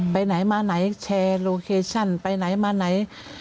ไปไหนมาไหนแชร์โลเคชั่นไปไหนมาไหน